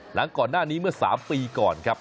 หลังก่อนหน้านี้เมื่อ๓ปีก่อนครับ